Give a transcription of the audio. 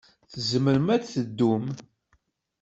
Tzemrem ad teddum.